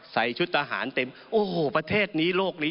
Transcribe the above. ใส่ชุดทหารเต็มโอ้โหประเทศนี้โลกนี้